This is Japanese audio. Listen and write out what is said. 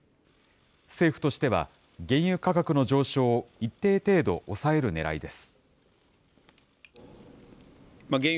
政府としては、原油価格の上昇を一定程度、抑えるねらいです。